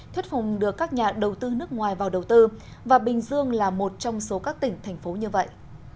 thuyết phùng đưa các nhà đầu tư nước ngoài vào đầu tư và bình dương là một trong số các tỉnh thành phố như vậy